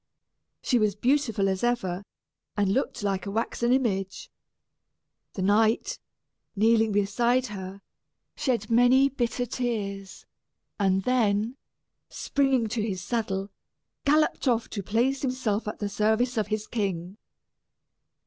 She was beautiful as ever, and looked like a waxen image. The knight, kneeling beside her, shed many bitter tears, and then, springing to his saddle, galloped off to place himself at the service of his king.